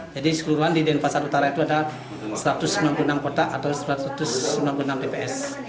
jadi seluruhan di denpasar utara itu ada satu ratus sembilan puluh enam kotak atau satu ratus sembilan puluh enam dps